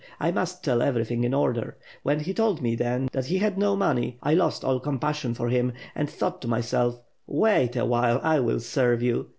I must tell everything in order. When he told me then that he no money, I lost all compassion for him and thought to myself, 'wait awhile, I will serve you!'